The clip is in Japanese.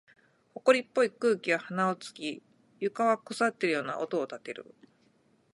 埃っぽい空気が鼻を突き、床は腐っているような音を立てる。